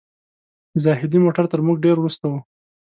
د زاهدي موټر تر موږ ډېر وروسته و.